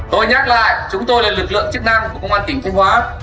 tôi nhắc lại chúng tôi là lực lượng chức năng của công an kiểm trinh hóa